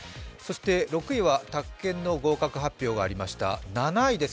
６位は宅建の合格発表がありました。